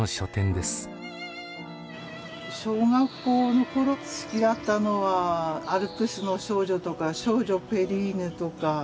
小学校の頃好きだったのは「アルプスの少女」とか「少女ペリーヌ」とか。